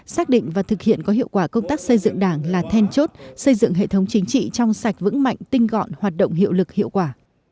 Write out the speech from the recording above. xác định và thực hiện có hiệu quả công tác xây dựng đảng là then chốt xây dựng hệ thống chính trị trong sạch vững mạnh tinh gọn hoạt động hiệu lực hiệu quả